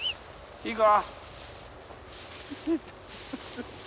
いいか？